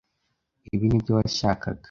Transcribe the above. Ibi nibyo washakaga?